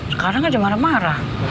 sekarang aja marah marah